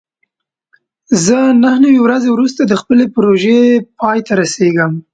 زه نهه نوي ورځې وروسته د خپلې پروژې پای ته رسېږم.